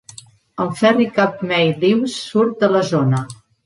El ferri Cape May-Lewes surt de la zona.